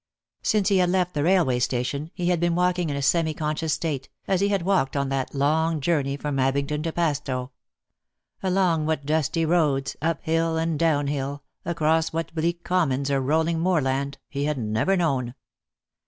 Since he left the railway station he had been walking in a semi conscious state, as he had walked on that long journey from Abingdon to Padstow; along what dusty roads, uphill and downhill, across what bleak commons or rolling moorland, he had never known.